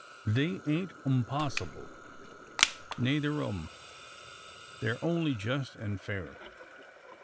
"They ain't unpossible neyther o' 'em; thur only just an' fair."